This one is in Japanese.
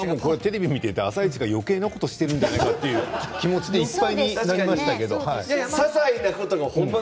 僕は「あさイチ」がよけいなことをしているんじゃないかという気持ちでいっぱいになりました。